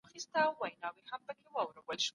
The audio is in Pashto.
دولت نور سیاسي سازمانونه نسي کنټرولولای.